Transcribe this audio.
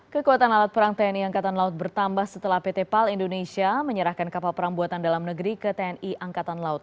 kekuatan alat perang tni angkatan laut bertambah setelah pt pal indonesia menyerahkan kapal perang buatan dalam negeri ke tni angkatan laut